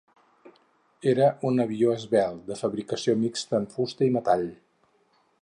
Era un avió esvelt de fabricació mixta en fusta i metall.